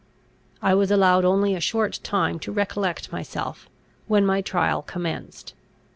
I was allowed only a short time to recollect myself, when my trial commenced.